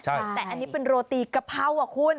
ใช่แต่อันนี้เป็นโรตีกะเพราคุณ